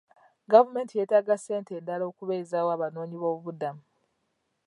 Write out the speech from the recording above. Gavumenti yeetaaga ssente endala okubeezaawo abanoonyi b'obubuddamu.